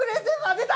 出た！